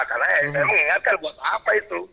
karena saya mengingatkan buat apa itu